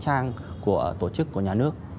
trên các trang của tổ chức của nhà nước